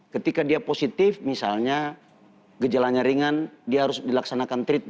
ketika dia positif misalnya gejalanya ringan dia harus dilaksanakan treatment